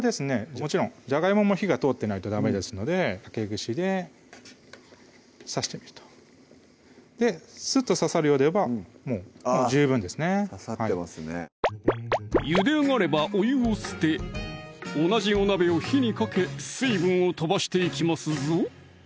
もちろんじゃがいもも火が通ってないとダメですので竹串で刺してみるとスッと刺さるようであればもう十分ですね刺さってますねゆで上がればお湯を捨て同じお鍋を火にかけ水分を飛ばしていきますぞ